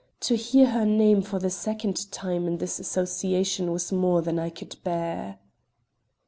To hear her name for the second time in this association was more than I could bear.